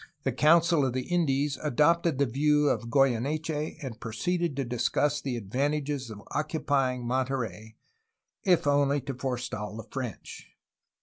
The Council of the Indies adopted the views of Goyeneche, and proceeded to discuss the advantages of occupying Monterey, if only to forestall the French.